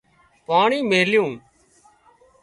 پاڻي ميليُون